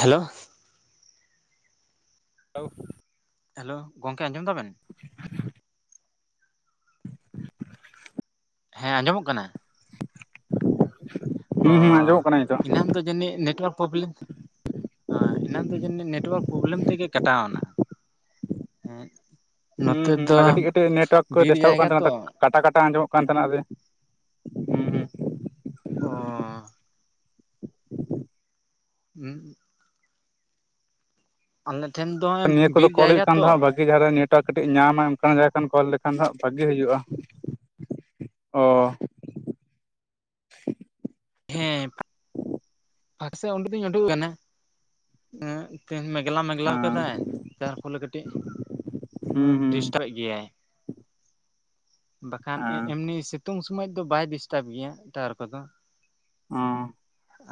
Hello ᱟᱹᱣ ᱻ᱾ Hello ᱜᱚᱝᱠᱮ ᱟᱸᱡᱚᱢ ᱫᱟᱵᱮᱱ? [inaudible] ᱦᱮᱸ ᱟᱸᱡᱚᱢᱚᱜ ᱠᱟᱱᱟ᱾ ᱚᱻ ᱦᱩᱸ ᱦᱩᱸ ᱟᱸᱡᱚᱢᱚᱜ ᱠᱟᱱᱟ ᱱᱤᱛᱚᱜ ᱮᱱᱟᱱ ᱫᱚ ᱡᱟᱹᱱᱤᱡ ᱱᱮᱴᱣᱟᱨᱠ ᱯᱚᱵᱞᱮᱢ ᱟᱻ ᱮᱱᱟᱱ ᱫᱚ ᱡᱟᱹᱱᱤᱡ ᱱᱮᱴᱣᱟᱨᱠ ᱯᱨᱚᱵᱞᱮᱢ ᱛᱮᱜᱮ ᱠᱟᱴᱟᱣᱱᱟ᱾ ᱮᱸᱜᱻ᱾ ᱦᱩᱸ ᱦᱩᱸ ᱚᱱᱟ ᱠᱟᱹᱴᱤᱡ ᱠᱟᱹᱴᱤᱡ ᱱᱮᱴᱚᱣᱟᱨᱠ ᱠᱚᱭ ᱰᱤᱥᱴᱟᱵᱚᱜ ᱠᱟᱱ ᱛᱟᱦᱮᱱᱟ᱾ ᱛᱚ ᱠᱟᱴᱟ ᱠᱟᱴᱟ ᱟᱸᱡᱚᱢᱚᱜ ᱠᱟᱱ ᱛᱟᱦᱮᱱᱟ ᱟᱫᱮ ᱚᱸᱻᱻ᱾ [unintelligible] ᱟᱞᱮ ᱴᱷᱮᱱ ᱫᱚ ᱚᱭ ᱦᱩᱸ ᱱᱤᱭᱟᱹ ᱠᱚᱫᱚ ᱵᱤᱨ ᱠᱚᱞ ᱦᱩᱭᱩᱜ ᱡᱟᱭᱜᱟ ᱠᱟᱱ ᱫᱚ ᱛᱚ᱾ ᱦᱟᱸᱜ ᱵᱷᱟᱜᱤ ᱫᱷᱟᱨᱟ ᱱᱮᱴᱣᱟᱨᱠ ᱠᱟᱹᱴᱤᱡᱼᱮ ᱧᱟᱢᱟ ᱚᱱᱠᱟᱱ ᱡᱟᱭᱜᱟ ᱠᱷᱚᱱ ᱠᱚᱞ ᱞᱮᱠᱷᱟᱱ ᱫᱚ ᱦᱟᱜ ᱵᱷᱟᱹᱜᱤ ᱦᱩᱭᱩᱜᱼᱟ᱾ ᱚᱻ᱾ ᱦᱮᱸᱻ᱾ ᱯᱷᱟᱸᱠ ᱥᱮᱫ ᱚᱱᱰᱩ ᱫᱩᱧ ᱩᱱᱰᱩ ᱠᱟᱱᱟ᱾ ᱮᱸᱜ ᱛᱮᱦᱮᱧ ᱢᱮᱜᱽᱞᱟ ᱢᱮᱜᱽᱞᱟᱣ ᱦᱮᱸ ᱠᱟᱫᱟᱭ ᱡᱟᱨᱯᱷᱚᱞᱮ ᱠᱟᱹᱴᱤᱡ ᱦᱩᱸ ᱦᱩᱸ ᱰᱤᱥᱴᱟᱵᱮᱜ ᱜᱤ᱾ ᱜᱮᱭᱟᱭ, ᱵᱟᱠᱷᱟᱱ ᱮᱸ ᱦᱮᱸ ᱮᱢᱱᱤ ᱥᱤᱛᱩᱝ ᱥᱚᱢᱚᱭ ᱫᱚ ᱵᱟᱭ ᱰᱤᱥᱴᱟᱵᱽ ᱜᱮᱭᱟ ᱴᱟᱣᱟᱨ ᱠᱚᱫᱚ᱾ ᱚ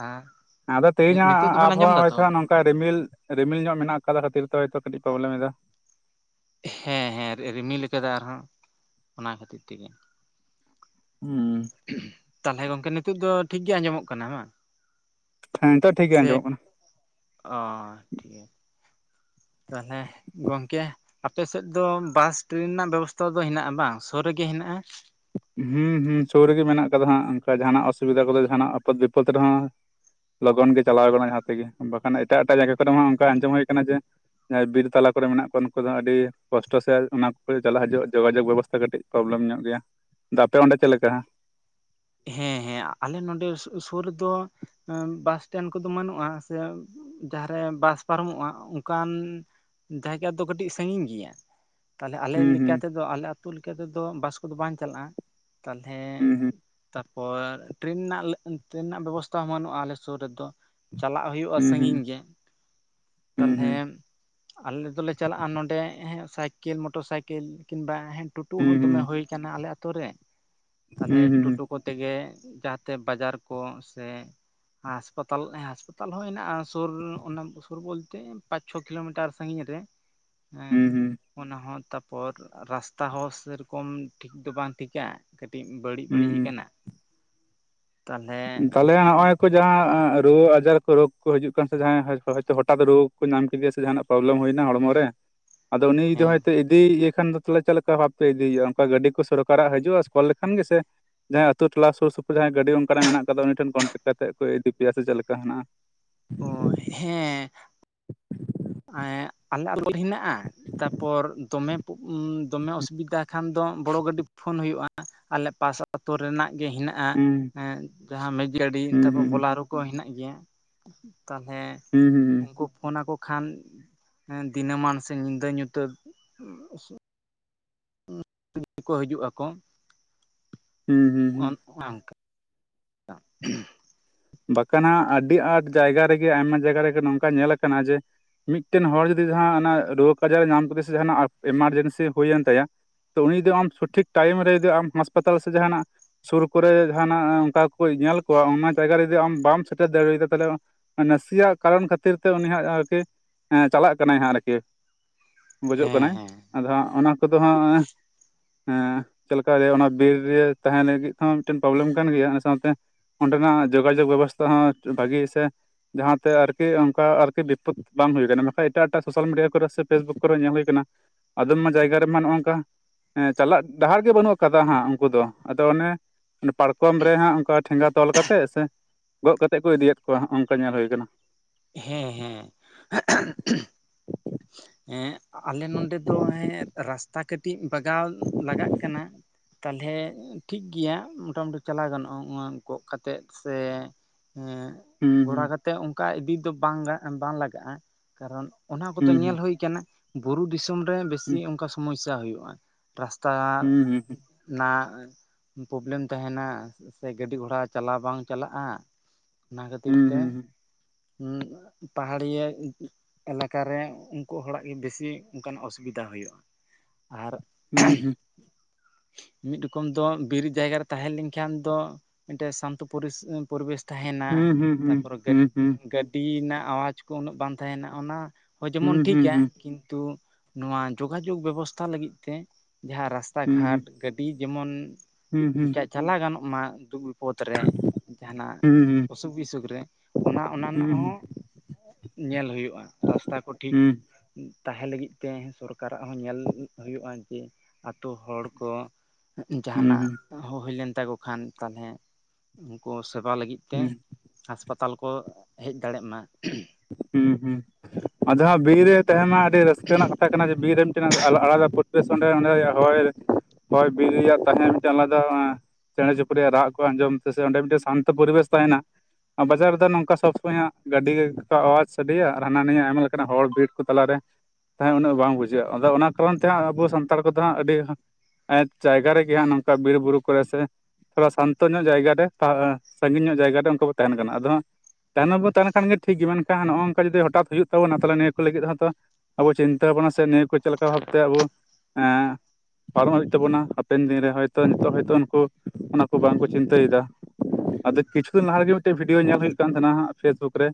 ᱟᱨ ᱟᱫᱚ ᱛᱮᱦᱮᱧᱟᱜ ᱟ ᱱᱤᱛᱚᱜ ᱫᱚᱵᱮᱱ ᱟᱸᱡᱚᱢ ᱟᱵᱚᱦᱟᱣᱟ ᱫᱟᱛᱚ ᱦᱚᱭᱛᱚ ᱱᱚᱝᱠᱟᱭ ᱨᱤᱢᱤᱞ ᱨᱤᱢᱤᱞ ᱧᱚᱜ ᱢᱮᱱᱟᱜ ᱠᱟᱫᱟ ᱠᱷᱟᱹᱛᱤᱨ ᱛᱮ ᱦᱚᱭᱛᱚ ᱠᱟᱹᱴᱤᱡ ᱯᱚᱵᱽᱞᱮᱢ ᱮᱫᱟ ᱾ ᱦᱮᱸᱻ ᱦᱮᱸᱻ ᱨᱤᱢᱤᱞ ᱠᱟᱫᱟ ᱟᱨᱦᱚᱸ ᱚᱱᱟ ᱠᱷᱟᱹᱛᱤᱨ ᱛᱮᱜᱮ᱾ ᱩᱸᱻ᱾ ᱛᱟᱞᱦᱮ ᱜᱚᱝᱠᱮ ᱱᱤᱛᱳᱜ ᱫᱚ ᱴᱷᱤᱠᱜᱮ ᱟᱸᱡᱚᱢᱚᱜ ᱠᱟᱱᱟ ᱵᱟᱝ? ᱦᱮᱸ ᱱᱤᱛᱚᱜ ᱴᱷᱤᱠᱜᱤ ᱥᱮ ᱟᱸᱡᱚᱢᱚᱜ ᱠᱟᱱᱟ ᱾ ᱚ ᱴᱷᱤᱠ ᱜᱮᱭᱟ᱾ ᱛᱟᱦᱚᱞᱮ ᱜᱚᱝᱠᱮ ᱟᱯᱮ ᱥᱮᱫ ᱫᱚ ᱵᱟᱥ ᱴᱨᱮᱹᱱ ᱨᱮᱱᱟᱜ ᱵᱮᱵᱚᱥᱛᱷᱟ ᱫᱚ ᱦᱮᱱᱟᱜᱼᱟ ᱵᱟᱝ? ᱥᱩᱨ ᱨᱮᱜᱮ ᱦᱮᱱᱟᱜᱼᱟ? ᱦᱮᱸᱻ ᱦᱩᱸᱻ, ᱥᱩᱨ ᱨᱮᱜᱮ ᱢᱮᱱᱟᱜ ᱠᱟᱫᱟ ᱦᱟᱸᱜ᱾ ᱚᱱᱠᱟ ᱡᱟᱦᱟᱱᱟᱜ ᱚᱥᱩᱵᱤᱫᱟ ᱠᱚᱫᱚ ᱡᱟᱦᱱᱟᱜ ᱟᱯᱚᱫ ᱵᱤᱯᱚᱫ ᱨᱮᱦᱚᱸ ᱞᱚᱜᱚᱱ ᱜᱮ ᱪᱟᱞᱟᱣ ᱠᱟᱱᱟ ᱡᱟᱦᱟᱸ ᱛᱮᱜᱮ᱾ ᱵᱟᱠᱷᱟᱱ ᱮᱴᱟᱜ ᱮᱴᱟᱜ ᱡᱟᱭᱜᱟ ᱠᱚᱨᱮ ᱦᱚᱸ ᱚᱱᱠᱟ ᱟᱸᱡᱚᱢ ᱦᱩᱭ ᱠᱟᱱᱟ ᱡᱮ ᱡᱟᱦᱟᱸᱭ ᱵᱤᱨ ᱛᱟᱞᱟ ᱠᱚᱨᱮ ᱢᱮᱱᱟᱜ ᱠᱚᱣᱟ᱾ ᱩᱱᱠᱩ ᱫᱚ ᱟᱹᱰᱤ ᱠᱚᱥᱴᱚ ᱥᱮ ᱚᱱᱟ ᱠᱚ ᱪᱟᱞᱟᱜ ᱦᱤᱡᱩᱜᱼᱟ ᱡᱳᱜᱟᱡᱳᱜ ᱵᱮᱵᱚᱥᱛᱷᱟ ᱠᱟᱹᱴᱤᱡ ᱯᱨᱚᱵᱞᱮᱢ ᱧᱚᱜ ᱜᱮᱭᱟ ᱾ᱟᱫᱚ ᱟᱯᱮ ᱚᱸᱰᱮ ᱪᱮᱫ ᱞᱮᱠᱟ? ᱦᱮᱸ ᱦᱮᱸ ᱟᱞᱮ ᱱᱚᱰᱮ ᱥᱩᱨ ᱨᱮ ᱫᱚ ᱵᱟᱥ ᱥᱴᱮᱱᱰ ᱠᱚᱫᱚ ᱵᱟᱹᱱᱩᱜᱼᱟ, ᱥᱮ ᱡᱟᱦᱟᱸᱨᱮ ᱵᱟᱥ ᱯᱟᱨᱚᱢᱚᱜᱼᱟ ᱚᱱᱠᱟᱱ ᱡᱟᱭᱜᱟ ᱫᱚ ᱠᱟᱹᱴᱤᱡ ᱥᱟᱺᱜᱤᱧ ᱜᱮᱭᱟ᱾ ᱛᱟᱦᱞᱮ ᱟᱞᱮ ᱦᱩᱸ ᱦᱩᱸ ᱞᱮᱠᱟᱛᱮᱫᱚ ᱟᱞᱮ ᱟᱹᱛᱩ ᱞᱮᱠᱟ ᱛᱮᱫᱚ ᱵᱟᱥ ᱠᱚᱫᱚ ᱵᱟᱝ ᱪᱟᱞᱟᱜᱼᱟ ᱛᱟᱦᱮ᱾ ᱦᱩᱸ ᱛᱟᱯᱚᱨ ᱴᱨᱮᱱ ᱨᱮᱱᱟᱜ ᱴᱨᱮᱱ ᱨᱮᱱᱟᱜ ᱵᱮᱵᱚᱥᱛᱟ ᱦᱚᱸ ᱵᱟᱹᱱᱩᱜᱼᱟ ᱟᱞᱮ ᱥᱩᱨ ᱨᱮᱫᱚ ᱪᱟᱞᱟᱜ ᱦᱩᱭᱩᱜᱼᱟ ᱦᱳᱭᱳᱼᱟ ᱦᱩᱸ ᱦᱩᱸ ᱥᱟᱜᱤᱧ ᱜᱮ, ᱦᱩᱸ ᱛᱟᱞᱦᱮ ᱦᱩᱸ ᱟᱞᱮ ᱫᱚᱞᱮ ᱪᱟᱞᱟᱜᱼᱟ ᱱᱚᱸᱰᱮ ᱥᱟᱭᱠᱮᱞ ᱢᱚᱴᱚᱨ ᱥᱟᱭᱠᱮᱞ ᱠᱤᱱᱵᱟᱝ - ᱟ᱾ ᱴᱩᱴᱩ ᱦᱩᱸ ᱦᱚᱸ ᱦᱩᱸ ᱫᱚᱢᱮ ᱦᱩ ᱦᱩᱸ ᱟᱠᱟᱱᱟ ᱟᱞᱮ ᱟᱛᱳ ᱨᱮ᱾ ᱛᱟᱞᱚᱞᱮ ᱦᱩᱸ ᱦᱩᱸ ᱴᱳᱴᱳ ᱠᱚᱛᱮᱜᱮ ᱡᱟᱦᱟᱛᱮ ᱵᱟᱡᱟᱨ ᱠᱚ ᱥᱮ ᱦᱟᱸᱟᱥᱯᱟᱛᱟᱞ ᱦᱟᱸᱟᱥᱯᱟᱛᱟᱞ ᱦᱚᱸ ᱦᱮᱱᱟᱜᱼᱟ ᱾ᱥᱩᱨ ᱚᱱᱟ ᱥᱩᱨ ᱵᱚᱞᱛᱮ ᱯᱟᱸᱪ ᱪᱷᱚ ᱠᱤᱞᱳᱢᱤᱴᱟᱨ ᱥᱟᱺᱜᱤᱧ ᱨᱮ᱾ [unintelligible] ᱦᱮᱸ ᱦᱩᱸ ᱦᱩᱸ ᱚᱱᱟ ᱦᱚᱸ ᱛᱟᱯᱚᱨ ᱨᱟᱥᱛᱟ ᱦᱚᱸ ᱥᱮᱨᱚᱠᱚᱢ ᱴᱷᱤᱠ ᱫᱚ ᱵᱟᱝ ᱴᱷᱤᱠᱟ᱾ ᱠᱟᱹᱴᱤᱡ ᱵᱟᱹᱲᱤᱡ ᱵᱟᱹᱲᱤᱡ ᱦᱩᱸ ᱟᱠᱟᱱᱟ ᱛᱟᱞᱦᱮ ᱛᱟᱦᱚᱞᱮ ᱱᱚᱜ ᱚᱭ ᱠᱚ ᱡᱟᱦᱟᱸ ᱨᱩᱣᱟᱹ ᱟᱡᱟᱨ ᱠᱚ ᱨᱳᱜᱽ ᱠᱚ ᱦᱤᱡᱩᱜ ᱠᱟᱱ ᱥᱮ ᱡᱟᱦᱟᱸᱭ ᱦᱚᱭᱛᱳ ᱦᱚᱴᱟᱛ ᱨᱳᱜᱽ ᱠᱚ ᱧᱟᱢ ᱠᱮᱫᱮᱭᱟ ᱥᱮ ᱡᱟᱦᱟᱱᱟᱜ ᱯᱨᱚᱵᱞᱮᱢ ᱦᱩᱭᱱᱟ ᱦᱚᱲᱢᱚ ᱨᱮ ᱾ᱟᱫᱚ ᱩᱱᱤ ᱫᱚ ᱦᱮᱸ ᱦᱚᱭ ᱛᱚ ᱤᱫᱤᱭᱮ ᱠᱷᱟᱱ ᱫᱚ ᱛᱟᱦᱮ ᱪᱮᱫ ᱞᱮᱠᱟ ᱵᱷᱟᱵᱛᱮ ᱤᱫᱤᱭᱮᱼᱟ ᱚᱱᱠᱟ ᱜᱟᱹᱰᱤ ᱠᱚ ᱥᱚᱨᱠᱟᱨᱟᱜ ᱦᱤᱡᱩᱜᱼᱟ᱾ ᱥᱮ ᱠᱚᱞ ᱞᱮᱠᱷᱟᱱ ᱜᱮ ᱥᱮ ᱡᱟᱦᱟᱸᱟᱭ ᱟᱹᱛᱩᱳ ᱴᱚᱞᱟ ᱥᱩᱨ ᱥᱩᱯᱩᱨᱟᱸᱭ ᱜᱟᱹᱰᱤ ᱚᱠᱟᱨᱮ ᱢᱮᱱᱟᱜ ᱟᱠᱟᱫᱟ᱾ ᱩᱱᱤ ᱴᱷᱮᱱ ᱠᱚᱱᱴᱮᱠᱴ ᱠᱟᱛᱮ ᱠᱚ ᱤᱫᱤ ᱯᱮᱭᱟ ᱥᱮ ᱪᱮᱫ ᱞᱮᱠᱟ ᱦᱮᱱᱟᱼᱟ᱾ ᱚ ᱦᱮᱸ, ᱟᱞᱮ ᱟᱞᱞ [unintelligible] ᱦᱮᱱᱟᱜᱼᱟ ᱛᱟᱯᱚᱨ ᱫᱚᱢᱮ ᱫᱚᱢᱮ ᱚᱥᱩᱵᱤᱫᱟ ᱠᱷᱟᱱ ᱫᱚ ᱵᱚᱲᱚ ᱜᱟᱹᱰᱤ ᱯᱷᱳᱱ ᱦᱩᱭᱩᱜᱼᱟ᱾ ᱟᱞᱮ ᱯᱟᱥ ᱟᱛᱳ ᱨᱮᱱᱟᱜ ᱜᱮ ᱦᱮᱱᱟᱜ ᱦᱩᱸ ᱟ᱾ᱡᱟᱦᱟᱸ ᱢᱮᱪ ᱜᱟᱹᱰᱤ ᱦᱩᱸ ᱛᱟᱯᱚᱨ ᱦᱩᱸ ᱦᱩᱸ ᱵᱚᱞᱟᱨᱩ ᱠᱚ ᱦᱮᱱᱟᱜ ᱜᱮᱭᱟ ᱾ᱛᱟᱞᱦᱮ ᱦᱩᱸ ᱦᱩᱸᱸ᱾ ᱩᱱᱠᱩ ᱯᱷᱳᱱᱠᱚ ᱠᱷᱟᱱ ᱫᱤᱱᱟᱹᱢᱟᱱ ᱥᱮ ᱧᱤᱫᱟᱹ ᱧᱩᱛᱟᱹᱛ ᱟ [inaudible] ᱠᱚ ᱦᱤᱡᱩᱜ ᱟᱠᱚ᱾ ᱦᱩᱸ ᱦᱩᱸ ᱦᱩᱸ᱾ ᱱᱚᱭ ᱱᱚᱠᱟ᱾ [unintelligible] ᱵᱟᱠᱷᱟᱱ ᱟᱹᱰᱤ ᱟᱸᱴ ᱡᱟᱭᱜᱟ ᱨᱮᱜᱮ ᱟᱭᱢᱟ ᱡᱟᱭᱜᱟ ᱨᱮᱜᱮ ᱱᱚᱝᱠᱟ ᱧᱮᱞᱟ ᱟᱠᱟᱱᱟ ᱾ᱡᱮ ᱢᱤᱫᱴᱮᱱ ᱦᱚᱲ ᱡᱚᱫᱤ ᱡᱟᱦᱟᱸ ᱨᱳᱜᱽ ᱟᱡᱟᱨ ᱧᱟᱢ ᱟᱠᱟᱫᱮᱭᱟ ᱥᱮ ᱡᱟᱦᱟᱱᱟᱜ ᱮᱢᱟᱨᱡᱮᱱᱥᱤ ᱦᱩᱭᱮᱱ ᱛᱟᱭᱟ ᱾ ᱛᱚ ᱩᱱᱤ ᱫᱚ ᱟᱢ ᱥᱚᱴᱷᱤᱠ ᱴᱟᱭᱤᱢ ᱨᱮ ᱡᱫᱤ ᱟᱢ ᱦᱟᱥᱯᱟᱛᱟᱞ ᱥᱮ ᱡᱟᱦᱟᱱᱟᱜ ᱥᱩᱨ ᱠᱚᱨᱮ ᱡᱟᱦᱟᱱᱟᱜ ᱚᱱᱠᱟ ᱠᱚ ᱧᱮᱞ ᱠᱚᱣᱟ᱾ ᱚᱱᱟ ᱡᱟᱭᱜᱟ ᱡᱩᱫᱤ ᱟᱢ ᱵᱟᱢ ᱥᱮᱴᱮᱨ ᱫᱟᱲᱮᱭᱟᱫᱟ᱾ ᱛᱟᱦᱚᱞᱮ ᱱᱟᱥᱮᱭᱟᱜ ᱠᱟᱨᱚᱱ ᱠᱷᱟᱹᱛᱤᱨ ᱛᱮ ᱩᱱᱤᱭᱟᱜ ᱟᱨᱠᱤ ᱦᱮᱸ ᱪᱟᱞᱟᱜ ᱠᱟᱱᱟᱭ ᱦᱟᱸᱜ ᱟᱨᱠᱤ ᱵᱩᱡᱚᱜ ᱦᱮᱸ ᱠᱟᱱᱟᱭ᱾ ᱦᱮᱸ ᱟᱫᱚ ᱦᱟᱸᱜ ᱚᱱᱟ ᱠᱚᱫᱚ ᱦᱟᱸᱜ ᱦᱸᱮ ᱪᱮᱫᱞ ᱞᱮᱠᱟ ᱚᱱᱟ ᱵᱤᱨ ᱨᱮ ᱛᱟᱦᱮᱸᱱ ᱞᱟᱹᱜᱤᱫ ᱦᱚᱸ ᱢᱤᱫᱴᱮᱱ ᱯᱨᱚᱵᱞᱮᱢ ᱠᱟᱱ ᱜᱮᱭᱟ᱾ ᱚᱱᱟ ᱥᱟᱶᱛᱮ ᱚᱸᱰᱮᱱᱟᱜ ᱡᱳᱜᱟᱡᱳᱜᱽ ᱵᱮᱵᱚᱥᱛᱷᱟ ᱦᱚᱸ ᱵᱷᱟᱹᱜᱤ ᱥᱮ ᱡᱟᱦᱟᱸᱛᱮ ᱟᱨᱠᱤ ᱚᱱᱠᱟ ᱟᱨᱠᱤ ᱵᱤᱯᱚᱛ ᱵᱟᱝ ᱦᱩᱭᱩᱜ ᱠᱟᱱᱟ ᱾ᱵᱟᱠᱷᱟᱟᱱ ᱮᱴᱟᱜ ᱮᱴᱟᱜ ᱥᱳᱥᱟᱞ ᱢᱤᱰᱤᱭᱟ ᱠᱚᱨᱮ ᱥᱮ ᱯᱷᱮᱥᱵᱩᱠ ᱠᱚᱨᱮ ᱧᱮᱞ ᱦᱩᱭ ᱠᱟᱱᱟ ᱾ ᱟᱫᱚᱢ ᱢᱟ ᱡᱟᱭᱜᱟ ᱨᱮᱢᱟ ᱱᱚᱜᱼ ᱱᱚᱝᱠᱟ ᱾ ᱸ ᱪᱟᱞᱟᱜ ᱰᱟᱦᱟᱨ ᱜᱮ ᱵᱟᱹᱱᱩᱜ ᱠᱟᱫᱟ᱾ ᱦᱟᱸᱜ ᱩᱱᱠᱩ ᱫᱚ ᱟᱫᱚ ᱚᱱᱮ ᱾ ᱯᱟᱨᱠᱚᱢ ᱨᱮ ᱦᱟᱸᱜ ᱚᱱᱠᱟ ᱴᱷᱮᱸᱜᱟ ᱛᱚᱞ ᱠᱟᱛᱮᱜ ᱥᱮᱼᱼ ᱜᱚᱫ ᱠᱟᱛᱮᱫ ᱠᱚ ᱤᱫᱤᱭᱮᱫ ᱠᱚᱣᱟ ᱱᱚᱝᱠᱟ ᱧᱮᱞ ᱦᱩᱭ ᱟᱠᱟᱱᱟ ᱾ ᱦᱮᱸ ᱦᱮᱸ ᱾ ᱮᱸ ᱟᱞᱮ ᱱᱚᱰᱮ ᱫᱚ ᱦᱮᱸ ᱨᱟᱥᱛᱟ ᱠᱟᱹᱴᱤᱡ ᱵᱟᱜᱟᱣ ᱞᱟᱜᱟᱜ ᱠᱟᱱᱟ᱾ ᱛᱟᱞᱦᱮ ᱴᱷᱤᱠ ᱜᱮᱭᱟ ᱢᱚᱴᱟᱢᱩᱴᱤ ᱪᱟᱞᱟᱣ ᱜᱟᱱᱚᱜᱼᱟ ᱜᱚᱜ ᱠᱟᱛᱮᱜ ᱥᱮ ᱼᱼ ᱮᱸ ᱜᱷᱚᱲᱟ ᱦᱩᱸ ᱠᱟᱛᱮᱜ ᱚᱱᱠᱟ ᱤᱫᱤ ᱫᱚ ᱵᱟᱝ ᱵᱟᱝ ᱞᱟᱜᱟᱜᱼᱟ ᱾ ᱠᱟᱨᱚᱱ ᱚᱱᱟ ᱠᱚᱫᱚ ᱧᱮᱞ ᱦᱩᱸ ᱦᱩᱭ ᱠᱟᱱᱟ ᱵᱩᱨᱩ ᱫᱤᱥᱚᱢ ᱨᱮ ᱵᱮᱥᱤ ᱦᱩᱸ ᱚᱱᱠᱟ ᱥᱚᱢᱚᱥᱥᱟ ᱦᱩᱭᱩᱜᱼᱟ ᱾ ᱨᱟᱥᱛᱟ ᱦᱩᱸ ᱱᱟᱜᱼᱼ ᱯᱚᱵᱞᱮᱢ ᱛᱟᱦᱮᱱᱟ ᱥᱮ ᱜᱟᱹᱰᱤ ᱜᱷᱚᱲᱟ ᱪᱟᱞᱟᱣ ᱵᱟᱝ ᱪᱟᱞᱟᱜᱼᱟ ᱾ ᱚᱱᱟ ᱠᱷᱟᱹᱛᱤᱨ ᱦᱩᱸ ᱛᱮᱼᱼ ᱦᱩᱸ ᱯᱟᱦᱟᱲᱤᱭᱟᱹ ᱮᱞᱟᱠᱟ ᱨᱮ ᱩᱱᱠᱩ ᱦᱚᱲᱟᱜ ᱵᱮᱥᱤ ᱚᱱᱠᱱᱟᱜ ᱚᱥᱩᱵᱤᱫᱟ ᱦᱩᱭᱩᱜᱼᱟ᱾ ᱟᱨ ᱦᱩᱸ ᱢᱤᱫ ᱨᱚᱠᱚᱢ ᱫᱚ ᱵᱤᱨ ᱡᱟᱭᱜᱟ ᱨᱮ ᱛᱟᱦᱮ ᱞᱮᱱᱠᱷᱟᱱ ᱫᱚ ᱢᱤᱫᱴᱮᱱ ᱥᱟᱱᱛᱚ ᱯᱚᱨᱤᱥᱼᱼᱼ ᱯᱚᱨᱤᱵᱮᱥ ᱛᱟᱦᱮᱱᱟ ᱦᱩᱸ ᱦᱩᱸ ᱦᱩᱸ ᱛᱟᱯᱚᱨᱮ ᱜᱟᱹ ᱦᱩᱸ ᱦᱩᱸ ᱜᱟᱹ ᱴᱤ ᱨᱮᱱᱟᱜ ᱟᱣᱟᱡᱽ ᱠᱚ ᱩᱱᱟᱹᱜ ᱵᱟᱝ ᱛᱟᱦᱮᱱᱟ ᱚᱱᱟ ᱦᱚᱸ ᱡᱮᱢᱚᱱ ᱦᱩᱸ ᱦᱩᱸ ᱦᱩᱸ ᱦᱩᱸ ᱦᱩᱸ ᱦᱩᱸ ᱴᱷᱤᱠᱟ ᱦᱩᱸ ᱾ ᱠᱤᱱᱛᱩ ᱱᱚᱣᱟ ᱡᱳᱜᱟᱡᱳᱜᱽ ᱵᱮᱵᱚᱥᱛᱟ ᱞᱟᱹᱜᱤᱫ ᱛᱮ ᱡᱟᱦᱟᱸ ᱨᱟᱥᱛᱟ ᱦᱩᱸ ᱦᱩᱸ ᱜᱷᱟᱴ ᱦᱩᱸ ᱜᱟᱹ ᱟᱹᱰᱤ ᱡᱮᱢᱚᱱ ᱦᱩᱸ ᱦᱩᱸ ᱪᱟᱞᱟᱣ ᱜᱟᱱᱚᱜ ᱢᱟ ᱫᱩ [unintelligible] ᱨᱮ ᱡᱟᱦᱱᱟᱜ ᱦᱩᱸ ᱚᱥᱩᱠ ᱵᱤᱥᱩᱠ ᱨᱮ ᱚᱱᱟ ᱚᱱᱟ ᱨᱮᱱᱟᱜ ᱦᱩᱸ ᱦᱚᱸ ᱧᱮᱞ ᱦᱩᱭᱩᱜᱼᱟ ᱨᱟᱥᱛᱟ ᱠᱚ ᱴᱷᱤᱠ ᱦᱩᱸ ᱛᱟᱦᱮᱸ ᱞᱟᱹᱜᱤᱫ ᱛᱮ ᱥᱚᱨᱠᱟᱨᱟᱜ ᱦᱚᱸ ᱧᱮᱞ ᱦᱩᱭᱩᱜᱼᱟ ᱡᱮ ᱟᱛᱳ ᱦᱚᱲ ᱠᱚ ᱾ ᱡᱟᱦᱟᱱᱟᱜ ᱦᱩᱸ ᱦᱩᱭ ᱞᱮᱱ ᱛᱟᱠᱚ ᱠᱷᱟᱱ ᱛᱟᱞᱦᱮ ᱩᱱᱠᱩ ᱥᱮᱵᱟ ᱞᱟᱹᱜᱤᱫ ᱛᱮ ᱦᱩᱸ ᱦᱟᱥᱯᱟᱛᱟᱞ ᱠᱚ ᱦᱮᱡ ᱫᱟᱲᱮᱜ ᱢᱟ ᱾ ᱦᱩᱸ ᱦᱩᱸ ᱟᱫᱚ ᱦᱟᱸᱜ ᱵᱤᱨ ᱨᱮ ᱛᱟᱦᱮᱸᱱᱟ ᱟᱹᱰᱤ ᱨᱟᱹᱥᱠᱟᱹ ᱨᱮᱱᱟᱜ ᱠᱟᱛᱷᱟ ᱠᱟᱱᱟ ᱡᱮ ᱵᱤᱨ ᱨᱮᱱ ᱟᱞᱟᱫᱟ ᱯᱚᱨᱤᱵᱮᱥ ᱚᱸᱰᱮ ᱚᱸᱰᱮ ᱦᱚᱭ ᱦᱚᱭ ᱵᱤᱨ ᱨᱮᱭᱟᱜ ᱛᱟᱦᱮᱸ ᱢᱤᱫᱴᱮᱱ ᱟᱞᱟᱫᱟ ᱪᱮᱬᱮ ᱪᱩᱯᱲᱤᱭᱟᱜ ᱨᱟᱜ ᱠᱚ ᱟᱸᱡᱚᱢ ᱛᱮ ᱥᱮ ᱚᱸᱰᱮ ᱢᱤᱫᱴᱮᱡ ᱥᱟᱱᱛᱚ ᱯᱚᱨᱤᱵᱮᱥ ᱛᱟᱦᱮᱱᱟ ᱾ ᱵᱟᱡᱟᱨ ᱨᱮᱫᱚ ᱱᱚᱝᱠᱟ ᱥᱚᱵᱽ ᱥᱚᱢᱚᱭ ᱦᱟᱸᱜ ᱜᱟᱹᱰᱤ ᱠᱚᱣᱟᱜ ᱟᱣᱟᱡ ᱥᱟᱰᱮᱭᱟ ᱟᱨ ᱦᱟᱱᱟ ᱱᱤᱭᱟᱹ ᱟᱭᱢᱟ ᱞᱮᱠᱟᱱᱟᱜ ᱦᱚᱲ ᱵᱤᱨ ᱠᱚ ᱛᱟᱞᱟᱨᱮ ᱛᱟᱦᱮᱸ ᱩᱱᱟᱹᱜ ᱵᱟᱝ ᱵᱩᱡᱷᱟᱹᱜᱼᱟ ᱟᱫᱚ ᱚᱱᱟ ᱠᱟᱨᱚᱱ ᱛᱮ ᱦᱟᱸᱜ ᱟᱵᱚ ᱥᱟᱱᱛᱟᱲ ᱠᱚᱫᱚ ᱦᱟᱸᱜ ᱟᱹᱰᱤ ᱡᱟᱭᱜᱟ ᱨᱮᱜᱮ ᱦᱟᱸᱜ ᱱᱚᱝᱠᱟ ᱵᱤᱨ ᱵᱩᱨᱩ ᱠᱚᱨᱮ ᱥᱮ ᱥᱟᱱᱛᱚ ᱧᱚᱜ ᱡᱟᱭᱜᱟ ᱨᱮ ᱥᱟᱺᱜᱤᱧ ᱧᱚᱜ ᱡᱟᱭᱜᱟ ᱨᱮ ᱩᱱᱠᱩ ᱠᱚ ᱛᱟᱦᱮᱱ ᱠᱟᱱᱟ ᱟᱫᱚ ᱦᱟᱸᱜ ᱛᱟᱭᱱᱚᱢ ᱵᱚ ᱛᱟᱦᱮᱱ ᱠᱷᱟᱱ ᱜᱮ ᱴᱷᱤᱠ ᱜᱮ, ᱢᱮᱱᱠᱷᱟᱱ ᱱᱚᱝᱠᱟ ᱡᱩᱫᱤ ᱦᱚᱴᱟᱛ ᱦᱩᱭᱩᱜ ᱛᱟᱵᱚᱱᱟ ᱛᱟᱦᱚᱞᱮ ᱱᱤᱭᱟᱹ ᱠᱚ ᱞᱟᱹᱜᱤᱫ ᱦᱚᱸᱛᱚ ᱟᱵᱚ ᱪᱤᱱᱛᱟᱹ ᱵᱷᱟᱵᱱᱟ ᱥᱮ ᱱᱤᱭᱟᱹ ᱠᱚ ᱪᱮᱫ ᱞᱮᱠᱟ ᱵᱷᱟᱵᱛᱮ ᱟᱵᱚ ᱮᱸ ᱯᱟᱨᱚᱢ ᱦᱩᱭᱩᱜ ᱛᱟᱵᱚᱱᱟ ᱦᱟᱯᱮᱱ ᱫᱤᱱᱨᱮ ᱦᱚᱭᱛᱳ ᱱᱤᱛᱚᱜ ᱦᱚᱭᱛᱳ ᱩᱱᱠᱩ ᱚᱱᱟ ᱠᱚ ᱵᱟᱝᱠᱚ ᱪᱤᱱᱛᱟᱹᱭᱮᱫᱟ ᱾ ᱟᱫᱚ ᱠᱤᱪᱷᱩ ᱫᱤᱱ ᱞᱟᱦᱟ ᱨᱮᱜᱮ ᱢᱤᱫᱴᱮᱱ ᱵᱷᱤᱰᱭᱳ ᱧᱮᱞ ᱦᱩᱭᱩᱜ ᱠᱟᱱ ᱛᱟᱦᱮᱱᱟ ᱯᱷᱮᱥᱵᱩᱠ ᱨᱮ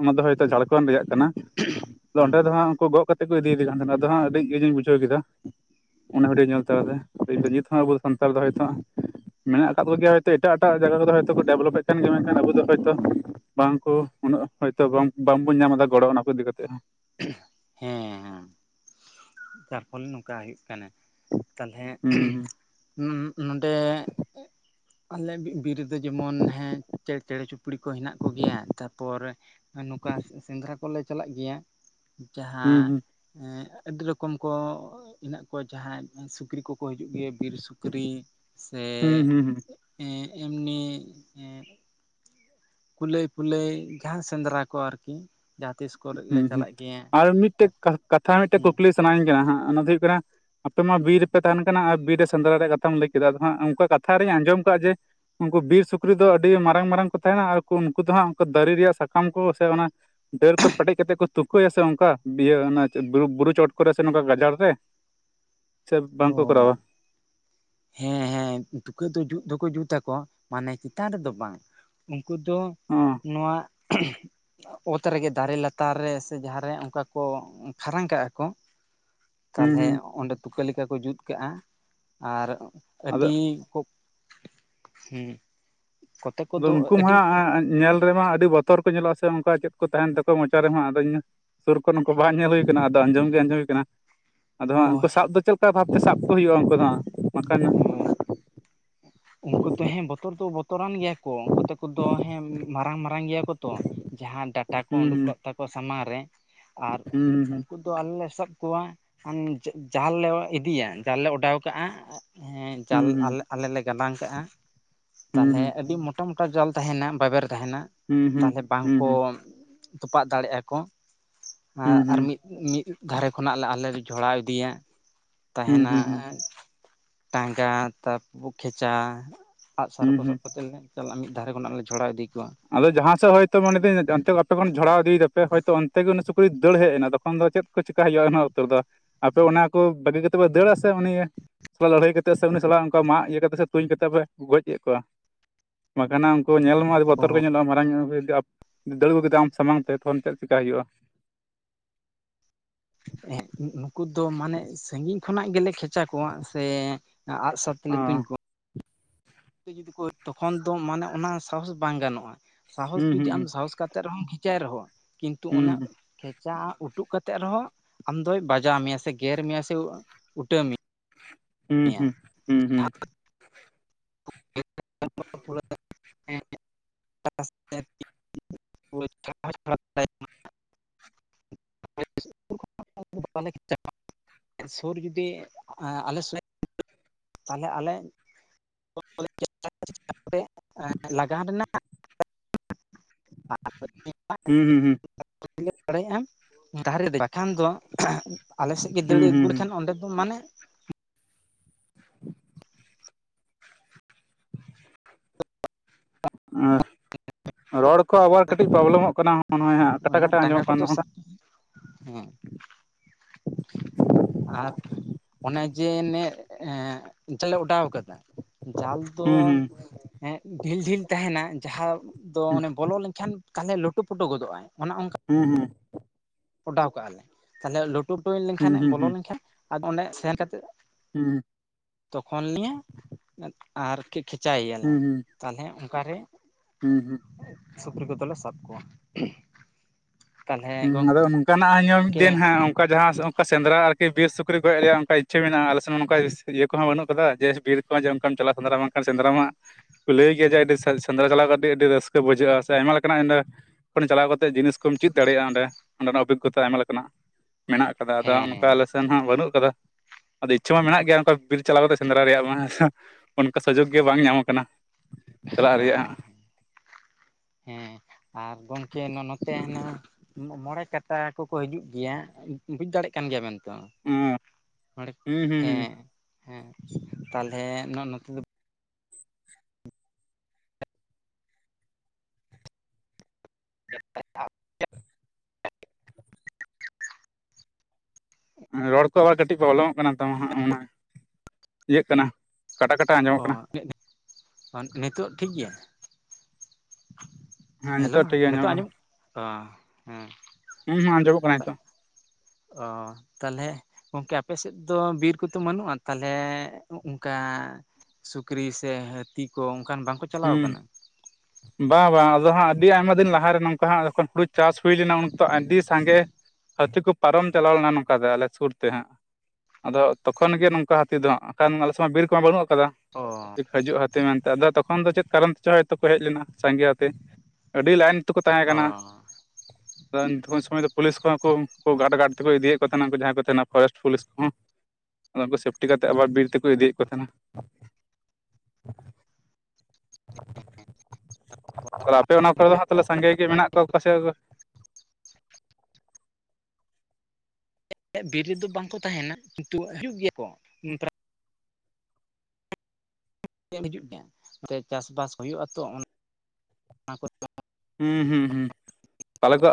ᱚᱱᱟ ᱫᱚ ᱦᱚᱭᱛᱳ ᱦᱩᱸ ᱡᱷᱟᱲᱠᱷᱚᱱᱰ ᱨᱮᱭᱟᱜ ᱠᱟᱱᱟ ᱾ ᱟᱫᱚ ᱚᱸᱰᱮ ᱦᱮᱸ ᱫᱚ ᱦᱟᱸᱜ ᱩᱱᱠᱩ ᱜᱚᱜ ᱠᱟᱛᱮᱫ ᱠᱚ ᱤᱫᱤᱭᱮᱫᱮ ᱠᱟᱱᱟ ᱛᱟᱦᱮᱱᱟ ᱟᱫᱚ ᱦᱟᱸᱜ ᱟᱹᱰᱤ ᱤᱭᱟᱹ ᱜᱤᱧ ᱵᱩᱡᱷᱟᱹᱣ ᱠᱮᱫᱟ ᱾ ᱚᱱᱟ ᱵᱷᱤᱰᱤᱭᱳ ᱧᱮᱞ ᱛᱚᱨᱟ ᱜᱮ ᱱᱤᱛ ᱦᱚᱸ ᱟᱵᱚ ᱥᱟᱱᱛᱟᱲ ᱫᱚ ᱦᱚᱭᱛᱚ ᱢᱮᱱᱟᱜ ᱟᱠᱟᱫ ᱠᱚᱜᱮᱭᱟ ᱦᱚᱭᱛᱚ ᱮᱴᱟᱜ ᱮᱴᱟᱜ ᱡᱟᱭᱜᱟ ᱠᱚᱫᱚ ᱦᱚᱭᱛᱚ ᱠᱚ ᱰᱮᱵᱷᱞᱚᱯᱮᱫ ᱠᱟᱱ ᱜᱮᱭᱟ, ᱢᱮᱱᱠᱷᱟᱱ ᱟᱵᱚ ᱫᱚ ᱦᱳᱭᱛᱚ ᱵᱟᱝᱠᱩ ᱩᱱᱟᱹᱜ ᱦᱚᱭᱛᱚ ᱵᱟᱝᱵᱚᱱ ᱧᱟᱢ ᱮᱫᱟ ᱜᱚᱲᱚ ᱚᱱᱟ ᱠᱚ ᱤᱫᱤ ᱠᱟᱛᱮᱜ ᱦᱚᱸ ᱦᱮᱸ ᱾ ᱡᱟᱨ ᱯᱷᱚᱞᱮ ᱱᱚᱝᱠᱟ ᱦᱩᱭᱩᱜ ᱠᱟᱱᱟ ᱛᱟᱞᱦᱮ ᱦᱩᱸ ᱱᱚᱸᱰᱮ ᱟᱞᱮ ᱵᱤᱨ ᱨᱮᱫᱚ ᱡᱮᱢᱚᱱ ᱦᱮᱸ ᱪᱮᱬᱮ ᱪᱩᱯᱲᱤ ᱠᱚ ᱦᱮᱱᱟᱜ ᱠᱚᱜᱮᱭᱟ ᱛᱟᱨᱯᱚᱨ ᱱᱚᱝᱠᱟ ᱥᱮᱸᱫᱽᱨᱟ ᱠᱚᱞᱮ ᱪᱟᱞᱟᱜ ᱜᱮᱭᱟ, ᱦᱩᱸ ᱡᱟᱦᱟᱸ ᱦᱩᱸ ᱟᱹᱰᱤ ᱨᱚᱠᱚᱢ ᱠᱚᱢ ᱠᱚ ᱦᱮᱱᱟᱜ ᱠᱚᱣᱟ ᱡᱟᱦᱟᱸᱭ ᱥᱩᱠᱨᱤ ᱠᱚᱠᱚ ᱦᱤᱡᱩᱜ ᱜᱮᱭᱟ ᱵᱤᱨ ᱥᱩᱠᱨᱤ ᱦᱩᱸ ᱥᱮ ᱦᱩᱸ ᱦᱩᱸ ᱮᱢᱱᱤ ᱠᱩᱞᱟᱹᱭ ᱯᱷᱩᱞᱟᱹᱭ ᱡᱟᱦᱟᱸ ᱥᱮᱸᱫᱽᱨᱟ ᱠᱚ ᱟᱨᱠᱤ ᱡᱟᱦᱟᱸ ᱛᱤᱥ ᱠᱚᱨᱮ ᱞᱮ ᱦᱩᱸ ᱦᱩᱸ ᱪᱟᱞᱟᱜ ᱜᱮᱭᱟ ᱟᱨ ᱢᱤᱫᱴᱮᱡ ᱠᱟᱛᱷᱟ ᱢᱤᱫᱴᱮᱡ ᱦᱮᱸ ᱠᱩᱠᱞᱤ ᱥᱟᱱᱟᱧ ᱠᱟᱱᱟ ᱚᱱᱟ ᱫᱚ ᱦᱩᱭᱩᱜ ᱠᱟᱱᱟ ᱟᱯᱮ ᱢᱟ ᱵᱤᱨ ᱨᱮᱯᱮ ᱛᱟᱦᱮᱱ ᱠᱟᱱᱟ ᱟᱨ ᱵᱤᱨ ᱨᱮ ᱥᱮᱸᱫᱽᱨᱟ ᱨᱮᱭᱟᱜ ᱠᱟᱛᱷᱟᱢ ᱞᱟᱹᱭ ᱠᱮᱫᱟ, ᱟᱫᱚ ᱦᱟᱸᱜ ᱚᱱᱠᱟ ᱠᱟᱛᱷᱟ ᱨᱤᱧ ᱟᱸᱡᱚᱢ ᱟᱠᱟᱫᱟ ᱡᱮ ᱩᱱᱠᱩ ᱵᱤᱨ ᱥᱩᱠᱨᱤ ᱫᱚ ᱟᱹᱰᱤ ᱢᱟᱨᱟᱝ ᱢᱟᱨᱟᱝ ᱠᱚ ᱛᱟᱦᱮᱱᱟ ᱟᱨ ᱩᱱᱠᱩ ᱫᱚ ᱦᱟᱸᱜ ᱫᱟᱨᱮ ᱨᱮᱭᱟᱜ ᱥᱟᱠᱟᱢ ᱠᱚ ᱥᱮ ᱚᱱᱟ, ᱰᱟᱹᱨ ᱠᱚ ᱯᱮᱴᱮᱡ ᱠᱟᱛᱮ ᱠᱚ ᱛᱩᱠᱟᱹᱭᱟ ᱥᱮ ᱚᱱᱠᱟ ᱤᱭᱟᱹ ᱚᱱᱟ ᱵᱩᱨᱩ ᱪᱚᱴ ᱠᱚᱨᱮ ᱥᱮ ᱱᱚᱝᱠᱟ ᱜᱟᱡᱟᱲ ᱨᱮ ᱪᱮᱫ ᱵᱟᱝᱸᱠᱚ ᱠᱚᱨᱟᱣᱟ ᱦᱮᱸ ᱦᱮᱸ ᱛᱩᱠᱟᱹ ᱫᱚ ᱡᱩᱛ ᱫᱚ ᱠᱚ ᱡᱩᱛᱟ ᱠᱚ ᱢᱟᱱᱮ ᱪᱮᱛᱟᱱ ᱨᱮᱫᱚ ᱵᱟᱝ, ᱩᱱᱠᱩ ᱫᱚ ᱚ ᱱᱚᱣᱟ ᱚᱛ ᱨᱮᱜᱮ ᱫᱟᱨᱮ ᱞᱟᱛᱟᱨ ᱨᱮ ᱥᱮ ᱡᱟᱦᱟᱸᱨᱮ ᱚᱱᱠᱟ ᱠᱚ ᱠᱷᱟᱨᱟᱝ ᱠᱟᱜᱼᱟ ᱠᱚ, ᱦᱩᱸ ᱛᱟᱦᱚᱞᱮ ᱦᱩᱸ ᱚᱸᱰᱮ ᱛᱩᱠᱟᱹ ᱞᱮᱠᱟ ᱠᱚ ᱡᱩᱛ ᱠᱟᱜᱼᱟ ᱟᱨ ᱟᱫᱚ ᱟᱹᱰᱤ ᱠᱚ ᱦᱩᱸ ᱠᱚᱛᱮᱜ ᱟᱫᱚ ᱠᱚᱫᱚ ᱩᱱᱠᱩ ᱢᱟ ᱟᱹᱰᱤ ᱦᱟᱸᱜ ᱧᱮᱞ ᱨᱮᱢᱟ ᱟᱹᱰᱤ ᱵᱚᱛᱚᱨ ᱠᱚ ᱧᱮᱞᱚᱜᱼᱟ ᱥᱮ ᱚᱱᱠᱟ ᱪᱮᱫ ᱠᱚ ᱛᱟᱦᱮᱱ ᱛᱟᱠᱚᱣᱟ ᱢᱚᱪᱟ ᱨᱮᱦᱚᱸ ᱟᱫᱚᱧ ᱼᱼ ᱥᱩᱨ ᱠᱷᱚᱱ ᱱᱩᱠᱩ ᱵᱟᱝ ᱧᱮᱞ ᱦᱩᱭ ᱟᱠᱟᱱᱟ, ᱟᱫᱚ ᱟᱸᱡᱚᱢ ᱜᱮ ᱟᱸᱡᱚᱢ ᱦᱩᱭ ᱠᱟᱱᱟ᱾ ᱟᱫᱚ ᱦᱟᱸᱜ ᱩᱱᱠᱩ ᱥᱟᱵ ᱫᱚ ᱪᱮᱫ ᱞᱮᱠᱟ ᱵᱷᱟᱵᱽᱛᱮ ᱥᱟᱵ ᱠᱚ ᱦᱩᱭᱩᱜᱼᱟ ᱩᱱᱠᱩ ᱫᱚ ᱦᱟᱸᱜ ᱵᱟᱠᱷᱟᱱ ᱩᱱᱠᱩ ᱫᱚ ᱦᱮᱸ ᱵᱚᱛᱚᱨ ᱫᱚ ᱵᱚᱛᱚᱨᱟᱱ ᱜᱮᱭᱟ ᱠᱚ ᱩᱱᱠᱩ ᱛᱚ ᱠᱚ ᱫᱚ ᱦᱮᱸ ᱢᱟᱨᱟᱝ ᱢᱟᱨᱟᱝ ᱜᱮᱭᱟ ᱠᱚ ᱛᱚ ᱡᱟᱦᱟᱸ ᱰᱟᱴᱟ ᱠᱚ ᱦᱩᱸ ᱩᱰᱩᱠᱚᱜ ᱛᱟᱠᱚ ᱥᱟᱢᱟᱝ ᱨᱮ ᱟᱨ ᱦᱩᱸ ᱩᱱᱠᱩ ᱛᱚ ᱟᱞᱮ ᱞᱮ ᱮᱥᱮᱫ ᱠᱚᱣᱟ ᱚᱱ ᱡᱟᱞ ᱞᱮ ᱤᱫᱤᱭᱟ ᱡᱟᱞ ᱞᱮ ᱚᱰᱟᱣ ᱠᱟᱜᱼᱟ ᱦᱮᱸ ᱡᱟᱞ ᱦᱩᱸ ᱟᱞ ᱦᱩᱸ ᱟᱞᱮ ᱞᱮ ᱜᱟᱞᱟᱝ ᱠᱟᱜᱼᱟ ᱦᱩᱸ ᱛᱟᱦᱚᱞᱮ ᱟᱹᱰᱤ ᱢᱚᱴᱟ ᱢᱩᱴᱤ ᱡᱚᱞ ᱛᱟᱦᱮᱱᱟ ᱵᱟᱵᱮᱨ ᱛᱟᱦᱮᱱᱟ ᱦᱩᱸ ᱦᱩᱸ ᱦᱩᱸ ᱛᱟᱦᱚᱞᱮ ᱦᱩᱸ ᱵᱟᱝᱠᱚ ᱛᱚᱯᱟᱜ ᱫᱟᱲᱮᱜ ᱟᱠᱚ ᱦᱩᱸ ᱟᱨ ᱦᱩᱸ ᱢᱤᱫ ᱢᱤᱫ ᱫᱷᱟᱨᱮ ᱠᱷᱚᱱᱟᱜ ᱞᱮ ᱟᱞᱮ ᱡᱷᱚᱲᱟ ᱤᱫᱤᱭᱟ ᱦᱩᱸ ᱛᱟᱦᱮᱱᱟ ᱦᱩᱸ ᱴᱟᱸᱜᱟ ᱛᱟᱨᱯᱚ ᱠᱷᱮᱪᱟ ᱟᱸᱜᱼᱥᱟᱨ ᱦᱩᱸ ᱠᱚ ᱦᱩᱸ ᱥᱟᱵ ᱠᱟᱛᱮ ᱞᱮ ᱛᱟᱦᱚᱞᱮ ᱢᱤᱫ ᱫᱷᱟᱨᱮ ᱠᱷᱚᱱᱟᱜ ᱞᱮ ᱡᱷᱚᱲᱟ ᱤᱫᱤ ᱠᱚᱣᱟ ᱟᱫᱚ ᱡᱟᱦᱟᱸ ᱥᱮᱫ ᱦᱚᱭᱛᱳ ᱢᱮᱱᱮᱫᱟᱹᱧ ᱚᱱᱛᱮ ᱟᱯᱮ ᱠᱷᱚᱱ ᱡᱷᱚᱲᱟᱣ ᱤᱫᱤᱭᱮᱫᱟ ᱯᱮ ᱦᱚᱭᱛᱳ ᱚᱱᱛᱮ ᱜᱮ ᱩᱱᱤ ᱥᱩᱠᱨᱤᱭ ᱫᱟᱹᱲ ᱦᱮᱡ ᱮᱱᱟ ᱛᱚᱠᱷᱚᱱ ᱫᱚ ᱪᱮᱫ ᱪᱮᱠᱟ ᱦᱩᱭᱩᱜᱼᱟ ᱩᱱᱟᱹᱜ ᱩᱛᱚᱨ ᱫᱚ ᱟᱯᱮ ᱚᱱᱟ ᱠᱚ ᱵᱟᱹᱜᱤ ᱠᱟᱛᱮᱫ ᱯᱮ ᱫᱟᱹᱲᱟ ᱥᱮ ᱩᱱᱤ ᱞᱟᱹᱲᱦᱟᱹᱭ ᱠᱟᱛᱮ ᱥᱮ ᱩᱱᱤ ᱥᱟᱞᱟᱜ ᱚᱱᱠᱟ ᱢᱟᱜ ᱤᱭᱟᱹ ᱠᱟᱛᱮ ᱥᱮ ᱛᱩᱧ ᱠᱟᱛᱮ ᱯᱮ ᱜᱚᱡ ᱮᱫ ᱠᱚᱣᱟ? ᱵᱟᱠᱷᱟᱱᱟᱝ ᱩᱱᱠᱩ ᱧᱮᱞ ᱢᱟ ᱟᱹᱰᱤ ᱵᱚᱛᱚᱨ ᱜᱮ ᱠᱚ ᱧᱮᱞᱚᱜ-ᱟ ᱢᱟᱨᱟᱝ ᱧᱚᱜ ᱡᱩᱫᱤ ᱫᱟᱹᱲ ᱟᱹᱜᱩ ᱠᱮᱫᱟ ᱟᱢ ᱥᱟᱢᱟᱝ ᱛᱮ ᱛᱠᱷᱚᱱ ᱪᱮᱫ ᱪᱤᱠᱟᱭ ᱦᱩᱭᱩᱜ-ᱟ? ᱮᱸᱜ ᱱᱩᱠᱩ ᱫᱚ ᱢᱟᱱᱮ ᱥᱟᱺᱜᱤᱧ ᱠᱷᱚᱱᱟᱜ ᱜᱮᱞᱮ ᱠᱷᱮᱪᱟ ᱠᱚᱣᱟ ᱥᱮ ᱟᱜᱥᱚᱯ ᱠᱷᱟᱹᱞᱤ ᱛᱩᱧ ᱦᱚᱸ ᱠᱚ ᱡᱩᱫᱤ ᱠᱚ ᱛᱚᱠᱷᱚᱱ ᱫᱚ ᱢᱟᱱᱮ ᱚᱱᱟ ᱥᱟᱦᱚᱥ ᱵᱟᱝ ᱜᱟᱱᱚᱜᱼᱟ ᱥᱟᱦᱚᱥ ᱦᱩᱸ ᱡᱩᱫᱤ ᱦᱩᱸ ᱟᱢ ᱦᱩᱸ ᱥᱟᱦᱚᱥ ᱠᱟᱛᱮ ᱨᱮᱦᱚᱢ ᱠᱤᱱᱛᱩ ᱦᱩᱸ ᱚᱱᱟ ᱠᱷᱮᱪᱟ ᱩᱴᱩᱜ ᱠᱟᱛᱮ ᱨᱮᱦᱚᱸ ᱟᱢ ᱫᱚᱭ ᱵᱟᱡᱟᱣ ᱢᱮᱭᱟ ᱥᱮ ᱜᱮᱨ ᱢᱮᱭᱟ ᱥᱮ ᱩᱴᱟᱹ ᱢᱮᱭᱟ ᱾ ᱦᱩᱸ ᱦᱩᱸ ᱦᱩᱸ ᱦᱩᱸ [inaudible] [inaudible] ᱥᱩᱨ ᱡᱩᱫᱤ ᱟᱞᱮ ᱥᱮᱞᱮᱫ ᱛᱟᱦᱚᱞᱮ ᱟᱞᱮ ᱠᱟᱛᱮ ᱞᱟᱜᱟ ᱨᱮᱱᱟᱜ [inaudible] ᱦᱩᱸ ᱦᱩᱸ ᱦᱩᱸ ᱫᱟᱲᱮᱭᱟᱜᱼᱟ ᱫᱟᱨᱮᱱᱟᱭ ᱵᱟᱠᱷᱟᱱ ᱫᱚ ᱟᱞᱮᱥᱮᱫ ᱜᱮ ᱫᱟᱹᱲ ᱦᱩᱸ ᱦᱩᱸ ᱟᱹᱜᱩ ᱦᱩᱸ ᱞᱮᱠᱷᱟᱱ ᱚᱸᱰᱮ ᱫᱚ ᱢᱟᱱᱮ ᱟᱨ ᱨᱚᱲ ᱠᱚ ᱟᱵᱟᱨ ᱠᱟᱹᱴᱤᱡ ᱯᱨᱚᱵᱞᱮᱢᱚᱜ ᱠᱟᱱᱟ ᱱᱚᱜᱼᱚᱭ ᱦᱟᱸᱜ ᱠᱟᱴᱟ ᱚᱱᱟ ᱠᱟᱴᱟ ᱴᱟᱸᱜᱟ ᱟᱸᱡᱚᱢᱚᱜ ᱠᱟᱱᱟ ᱠᱚᱫᱚ ᱱᱚᱜ-ᱚᱭ ᱥᱟᱵ ᱾ ᱦᱮᱸ ᱟᱨ ᱚᱱᱮ ᱡᱮ ᱱᱮ ᱡᱟᱞ ᱞᱮ ᱚᱰᱟᱣ ᱟᱠᱟᱫᱟ ᱡᱟᱞ ᱫᱚ ᱦᱩᱸ ᱦᱩᱸ ᱰᱷᱤᱞ ᱰᱷᱤᱞ ᱛᱟᱦᱮᱱᱟ ᱡᱟᱦᱟᱸ ᱫᱚ ᱚᱱᱮ ᱵᱚᱞᱚ ᱞᱮᱱᱠᱷᱟᱱ ᱛᱟᱦᱚᱞᱮ ᱞᱩᱴᱩ ᱯᱩᱴᱩ ᱜᱚᱫᱚᱜᱼᱟᱭ ᱚᱱᱮ ᱚᱱᱠᱟ ᱦᱩᱸ ᱦᱩᱸ ᱚᱰᱟᱣ ᱠᱟᱜᱼᱟ ᱞᱮ ᱛᱟᱦᱚᱞᱮ ᱞᱟᱹᱴᱩ ᱯᱩᱴᱩ ᱦᱩᱸ ᱞᱮᱱᱠᱷᱟᱱ ᱦᱩᱸ ᱦᱩᱸ ᱵᱚᱞᱚ ᱞᱮᱱᱠᱷᱟᱱ ᱟᱫᱚ ᱚᱸᱰᱮ ᱥᱮᱱ ᱠᱟᱛᱮᱫ ᱦᱩᱸ ᱛᱚᱠᱷᱚᱱ ᱱᱤᱭᱮ ᱟᱨ ᱠᱷᱮᱪᱟᱭᱮᱭᱟᱞᱮ ᱦᱩᱸ ᱦᱩᱸ ᱛᱟᱦᱚᱞᱮ ᱚᱱᱠᱟᱨᱮ ᱦᱩᱸ ᱦᱩᱸ ᱥᱩᱠᱨᱤ ᱠᱚ ᱛᱟᱦᱚᱞᱮ ᱥᱟᱵᱠᱚ ᱛᱟᱦᱚᱞᱮ ᱜᱚᱝᱠᱮ ᱠᱟᱱᱟᱜ ᱢᱤᱫ ᱫᱤᱱ ᱦᱮᱸ ᱚᱱᱠᱟ ᱡᱟᱦᱟᱸ ᱚᱱᱠᱟ ᱥᱮᱸᱫᱽᱨᱟ ᱟᱨᱠᱤ ᱵᱤᱨ ᱥᱩᱠᱨᱤ ᱜᱚᱡ ᱨᱮᱭᱟ ᱚᱱᱠᱟ ᱪᱤ ᱢᱮᱱᱟᱜᱼᱟ ᱟᱞᱮ ᱥᱮᱱ ᱱᱚᱝᱠᱟ ᱤᱭᱟᱹ ᱠᱚᱦᱚᱸ ᱵᱟᱹᱱᱩᱜ ᱠᱟᱫᱟ ᱡᱮ ᱵᱤᱨ ᱠᱚ ᱡᱮ ᱚᱱᱠᱟᱢ ᱪᱟᱞᱟᱜᱼᱟ ᱥᱮᱸᱫᱽᱨᱟ ᱵᱟᱝᱠᱷᱟᱱ ᱥᱮᱸᱫᱽᱨᱟ ᱢᱟᱜ ᱞᱟᱹᱭ ᱠᱮᱭᱫᱟ ᱡᱮ ᱟᱹᱰᱤ ᱥᱮᱸᱫᱽᱨᱟ ᱪᱟᱞᱟᱣ ᱠᱟᱛᱮ ᱟᱹᱰᱤ ᱨᱟᱹᱥᱠᱟᱹ ᱵᱩᱡᱷᱟᱹᱜᱼᱟ ᱥᱮ ᱟᱭᱢᱟ ᱞᱮᱠᱟᱱᱟᱜ ᱤᱰᱮ ᱪᱟᱞᱟᱣ ᱠᱟᱛᱮ ᱡᱤᱱᱤᱥ ᱠᱚᱢ ᱪᱮᱫ ᱫᱟᱲᱮᱭᱟᱜᱼᱟ ᱚᱸᱰᱮ ᱚᱸᱰᱮᱱᱟᱜ ᱚᱵᱷᱤᱜᱚᱛᱟ ᱟᱭᱢᱟ ᱞᱮᱠᱟᱱᱟᱜ ᱢᱮᱱᱟᱜ ᱠᱟᱫᱟ ᱟᱫᱚ ᱚᱱᱠᱟ ᱦᱮᱸ ᱟᱞᱮ ᱥᱮᱱ ᱦᱚᱸ ᱵᱟᱹᱱᱩᱜ ᱠᱟᱫᱟ ᱾ ᱟᱫᱚ ᱤᱪᱪᱷᱟᱹ ᱢᱟ ᱢᱮᱱᱟᱜ ᱜᱮᱭᱟ ᱠᱟᱜ ᱵᱤᱨ ᱪᱟᱞᱟᱣ ᱠᱟᱛᱮ ᱥᱮᱸᱫᱽᱨᱟ ᱨᱮᱭᱟᱜ ᱢᱟ ᱚᱱᱠᱟ ᱥᱩᱡᱳᱜᱽ ᱜᱮ ᱵᱟᱝ ᱧᱟᱢᱚᱜ ᱟᱠᱟᱱᱟ ᱾ ᱦᱮᱸ ᱦᱮᱸ ᱟᱨ ᱜᱚᱝᱠᱮ ᱱᱚᱛᱮ ᱦᱮᱱᱟᱹᱝ ᱢᱚᱬᱮ ᱠᱟᱴᱟ ᱠᱚᱠᱚ ᱦᱤᱡᱩᱜ ᱜᱮᱭᱟ ᱵᱩᱡ ᱫᱟᱲᱮᱭᱟᱜ ᱠᱟᱱ ᱜᱮᱭᱟ ᱵᱮᱱ ᱛᱚ ᱦᱩᱸ ᱱᱚᱰᱮ ᱦᱩᱸ ᱦᱩᱸ ᱦᱮᱸ ᱦᱮᱸ ᱛᱟᱞᱦᱮ ᱱᱚᱛᱮ ᱫᱚ [inaudible] ᱨᱚᱲ ᱛᱚ ᱠᱟᱹᱴᱤᱡ ᱯᱨᱚᱵᱞᱮᱢ ᱠᱟᱱᱟ ᱛᱚ ᱦᱟᱸᱜ ᱚᱱᱟ ᱤᱭᱟᱹᱜ ᱠᱟᱱᱟ ᱠᱟᱴᱟ ᱠᱟᱴᱟ ᱟᱸᱡᱚᱢᱚᱜ ᱠᱟᱱᱟ ᱚ ᱱᱤᱛᱳ ᱴᱷᱤᱠ ᱜᱮᱭᱟ ᱦᱮᱸ ᱦᱮᱞᱳ ᱱᱤᱛᱚᱜ ᱴᱷᱤᱠ ᱜᱮ ᱟᱸᱡᱚᱢᱚᱜ ᱱᱤᱛᱳᱜ ᱠᱟᱱᱟ ᱟᱸᱡᱚᱢ ᱦᱮᱸ ᱦᱩᱸ ᱟᱸᱡᱚᱢᱚᱜ ᱠᱟᱱᱟ ᱱᱤᱛᱚᱜ ᱚ ᱛᱟᱦᱚᱞᱮ ᱜᱚᱝᱠᱮ ᱟᱯᱮ ᱥᱮᱫ ᱫᱚ ᱵᱤᱨ ᱠᱚᱫᱚ ᱵᱟᱹᱱᱩᱜᱼᱟ ᱛᱟᱦᱚᱞᱮ ᱚᱱᱠᱟ ᱥᱩᱠᱨᱤ ᱥᱮ ᱦᱟᱹᱛᱤ ᱠᱚ ᱚᱱᱠᱟᱱ ᱵᱟᱝᱠᱚ ᱪᱟᱞᱟᱣ ᱦᱩᱸ ᱟᱠᱟᱱᱟ ᱵᱟᱝ ᱵᱟᱝ ᱟᱫᱚ ᱦᱟᱸᱜ ᱟᱹᱰᱤ ᱟᱭᱢᱟ ᱫᱤᱱ ᱞᱟᱦᱟ ᱨᱮ ᱱᱚᱝᱠᱟ ᱦᱟᱸᱜ ᱡᱚᱠᱷᱚᱱ ᱦᱩᱲᱩ ᱪᱟᱥ ᱦᱩᱭ ᱞᱮᱱᱟ ᱩᱱ ᱛᱚ ᱟᱹᱰᱤ ᱥᱟᱸᱜᱮ ᱦᱟᱹᱛᱤ ᱠᱚ ᱯᱟᱨᱚᱢ ᱪᱟᱞᱟᱣ ᱞᱮᱱᱟ ᱱᱚᱝᱠᱟ ᱫᱚ ᱟᱞᱮ ᱥᱩᱨ ᱛᱮ ᱦᱟᱸᱜ ᱟᱫᱚ ᱛᱚᱠᱷᱚᱱ ᱜᱮ ᱱᱚᱝᱠᱟ ᱦᱟᱹᱛᱤ ᱫᱚ ᱦᱟᱸᱜ ᱮᱠᱷᱟᱱ ᱟᱞᱮ ᱥᱮᱫ ᱢᱟ ᱵᱤᱨ ᱠᱚᱢᱟ ᱵᱟᱹᱱᱩᱜ ᱟᱠᱟᱫᱟ ᱚ ᱦᱟᱹᱡᱩᱜ ᱦᱟᱹᱛᱤ ᱢᱮᱱᱛᱮ ᱟᱫᱚ ᱛᱚᱠᱷᱚᱱ ᱫᱚ ᱪᱮᱫ ᱠᱟᱨᱚᱱ ᱛᱮ ᱪᱚ ᱦᱚᱭᱛᱚ ᱠᱚ ᱦᱮᱡ ᱞᱮᱱᱟ ᱥᱟᱸᱜᱮ ᱮᱛᱮ ᱟᱹᱰᱤ ᱞᱟᱭᱤᱱ ᱛᱮᱠᱚ ᱛᱟᱦᱮᱸ ᱚ ᱠᱟᱱᱟ ᱛᱷᱩᱢᱤ ᱥᱚᱢᱚᱭ ᱫᱚ ᱯᱩᱞᱤᱥ ᱠᱚᱦᱚᱸ ᱠᱚ ᱩᱱᱠᱩ ᱜᱟᱰ ᱜᱟᱰ ᱛᱮᱠᱚ ᱤᱫᱤᱭᱮᱫ ᱠᱚ ᱛᱟᱦᱮᱸᱱᱟ ᱩᱱᱠᱩ ᱡᱟᱦᱟᱸᱭ ᱠᱚ ᱛᱟᱦᱮᱸᱱᱟ ᱯᱷᱚᱨᱮᱥᱴ ᱯᱩᱞᱤᱥ ᱠᱚᱦᱚᱸ ᱚᱱᱟ ᱠᱩ ᱥᱮᱯᱴᱤ ᱠᱟᱛᱮᱫ ᱟᱵᱟᱨ ᱵᱤᱨ ᱛᱮᱠᱚ ᱤᱫᱤᱭᱮᱫ ᱠᱚ ᱛᱟᱦᱮᱸᱱᱟ ᱟᱯᱮ ᱚᱱᱟ ᱠᱚᱨᱮ ᱫᱚ ᱦᱟᱸᱜ ᱛᱟᱦᱚᱞᱮ ᱥᱟᱸᱜᱮ ᱜᱮ ᱢᱮᱱᱟᱜ ᱠᱚᱣᱟ ᱚᱠᱟ ᱥᱮ ᱨᱮᱫᱚ ᱵᱤᱨ ᱨᱮᱫᱚ ᱵᱟᱝᱠᱚ ᱛᱟᱦᱮᱸᱱᱟ ᱠᱤᱱᱛᱩ ᱦᱤᱡᱩᱜ ᱜᱮᱭᱟ ᱠᱚ ᱩᱱ ᱯᱟᱨᱟ ᱮᱢ ᱦᱤᱡᱩᱜ ᱜᱮᱭᱟ ᱪᱟᱥᱵᱟᱥ ᱦᱩᱭᱩᱜᱼᱟ ᱛᱚ ᱦᱩᱸ ᱦᱩᱸ ᱦᱩᱸ ᱛᱟᱦᱚᱞᱮ ᱠᱚ